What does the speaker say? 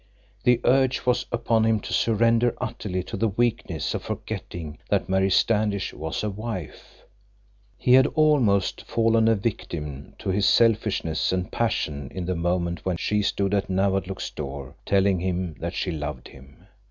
The urge was upon him to surrender utterly to the weakness of forgetting that Mary Standish was a wife. He had almost fallen a victim to his selfishness and passion in the moment when she stood at Nawadlook's door, telling him that she loved him.